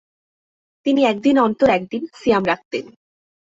তিনি একদিন অন্তর একদিন সিয়াম রাখতেন।